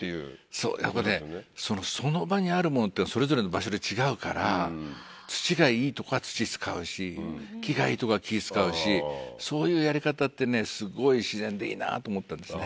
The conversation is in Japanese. そうやっぱねその場にある物ってそれぞれの場所で違うから土がいいとこは土使うし木がいいとこは木使うしそういうやり方ってすごい自然でいいなって思ったんですね。